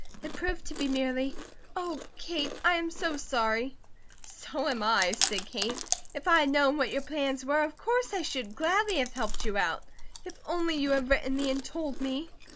It proved to be merely: "Oh, Kate, I am so sorry!" "So am I," said Kate. "If I had known what your plans were, of course I should gladly have helped you out. If only you had written me and told me."